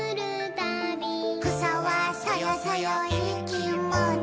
「くさはそよそよいいきもち」